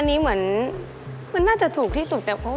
อันนี้เหมือนน่าจะถูกที่สุดแต่ว่า